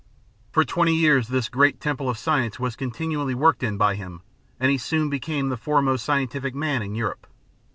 ] For twenty years this great temple of science was continually worked in by him, and he soon became the foremost scientific man in Europe.